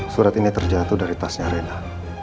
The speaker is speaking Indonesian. surat nih terjatuh daerah tasnya rena